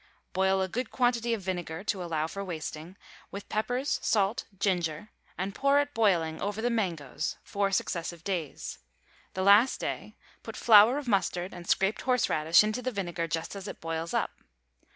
Boil a good quantity of vinegar, to allow for wasting, with peppers, salt, ginger, and pour it boiling over the mangoes, four successive days; the last day put flour of mustard and scraped horseradish into the vinegar just as it boils up.